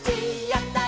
やった！